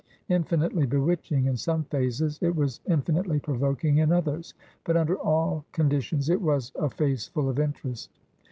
Infinitely bewitching in some phases, it was infinitely provoking in others ; but, under all conditions, it was a face full of interest.